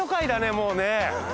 もうね。